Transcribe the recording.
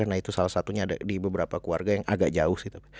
nah itu salah satunya di beberapa keluarga yang agak jauh gitu